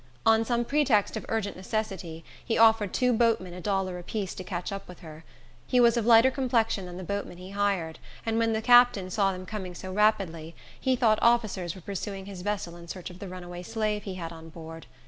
On some pretext of urgent necessity, he offered two boatmen a dollar apiece to catch up with her. He was of lighter complexion than the boatmen he hired, and when the captain saw them coming so rapidly, he thought officers were pursuing his vessel in search of the runaway slave he had on board.